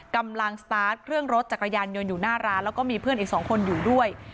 กำลังสตาร์ทเครื่องรถจักรยานยนต์อยู่หน้าร้านแล้วก็มีเพื่อนอีกสองคนอยู่ด้วย